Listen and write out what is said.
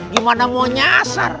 gimana mau nyasar